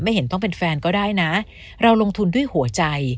เห็นต้องเป็นแฟนก็ได้นะเราลงทุนด้วยหัวใจ